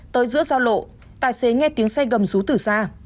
tới giữa giao lộ tài xế nghe tiếng xe gầm rú tử ra